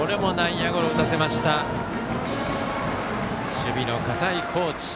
守備の堅い高知。